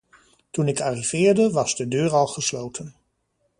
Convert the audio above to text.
Toen ik arriveerde, was de deur al gesloten.